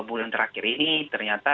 bulan terakhir ini ternyata